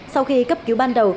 sau khi cấp cứu ban đầu